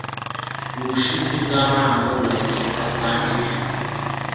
Ubushizi bwamanga baragenda kandi neza